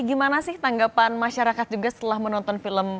gimana sih tanggapan masyarakat juga setelah menonton film